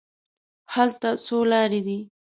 هلته څو لارې دي.